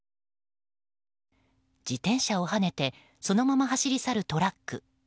自転車をはねてそのまま走り去るトラック。